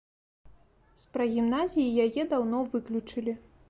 З прагімназіі яе даўно выключылі.